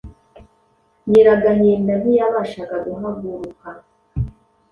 Nyiragahinda ntiyabashaga guhaguruka